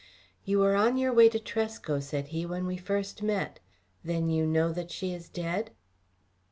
"You were on your way to Tresco," said he, "when we first met. Then you know that she is dead?"